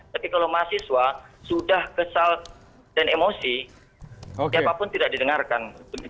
tapi kalau mahasiswa sudah kesal dan emosi siapapun tidak didengarkan